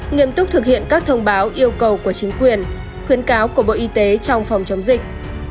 nghiêm túc thực hiện các thông báo yêu cầu của chính quyền khuyến cáo của bộ y tế trong phòng chống dịch